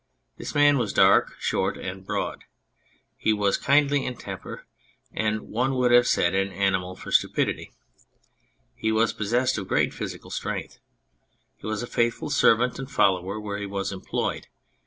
This man was dark, short and broad ; he was kindly in temper and, one would have said, an animal for stupidity. He was possessed of great physical strength ; he was a faithful servant and follower where he was employed.